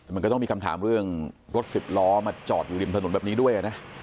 มันก็ต้องมีคำถามเรื่องรถสิบล้อมาจอดอยู่ริมถนนแบบนี้ด้วยนะ